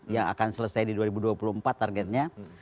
yang akan selesai di dua ribu dua puluh empat targetnya